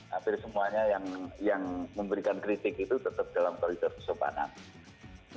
hampir semuanya yang memberikan kritik itu tetap dalam koridor kesopanan